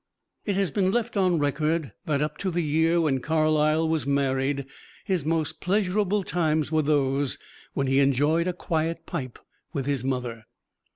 It has been left on record that up to the year when Carlyle was married, his "most pleasurable times were those when he enjoyed a quiet pipe with his mother."